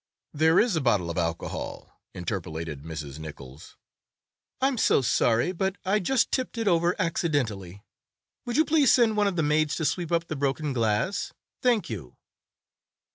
"There is a bottle of alcohol," interpolated Mrs. Nichols. "I'm so sorry, but I just tipped it over accidentally. Would you please send one of the maids to sweep up the broken glass? Thank you."